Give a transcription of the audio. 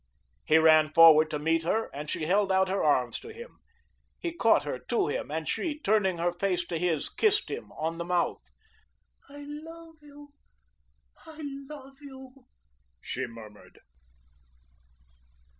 He ran forward to meet her and she held out her arms to him. He caught her to him, and she, turning her face to his, kissed him on the mouth. "I love you, I love you," she murmured.